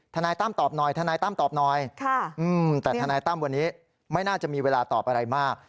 ทนายตั้มตอบหน่อยทนายตั้มตอบหน่อยแต่ทนายตั้มวันนี้ไม่น่าจะมีเวลาตอบอะไรมาก